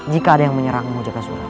jika ada yang menyerangmu jakasura